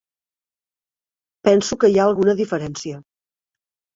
Penso que hi ha alguna diferència.